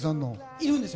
いるんですよ。